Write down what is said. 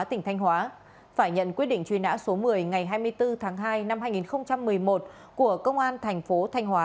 tỉnh thanh hóa phải nhận quyết định truy nã số một mươi ngày hai mươi bốn tháng hai năm hai nghìn một mươi một của công an thành phố thanh hóa